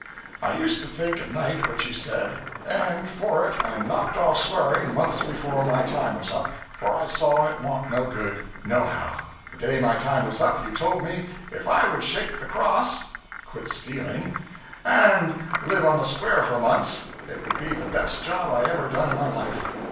I used to think at nite what you said, & for it i nocked off swearing months before my time was up, for i saw it want no good, nohow the day my time was up you told me if i would shake the cross (quit stealing) & live on the square for months, it would be the best job i ever done in my life.